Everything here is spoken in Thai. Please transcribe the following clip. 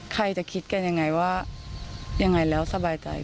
ใครจะคิดกันยังไงว่ายังไงแล้วสบายใจ